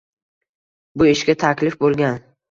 Bu ishga taklif bo‘lgan.